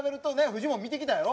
フジモン見てきたやろ？